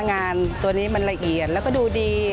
งานตัวนี้มันละเอียดแล้วก็ดูดี